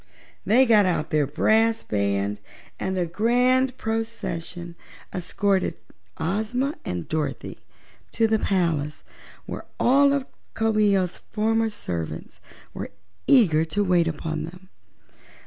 They got out their brass band and a grand procession escorted Ozma and Dorothy to the palace, where all of Coo ee oh's former servants were eager to wait upon them.